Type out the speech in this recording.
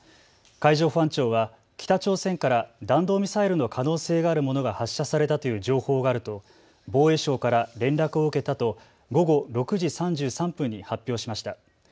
海上保安庁は北朝鮮から弾道ミサイルの可能性があるものが発射されたという情報があると防衛省から連絡を受けたと午後６時３３分に発表しました。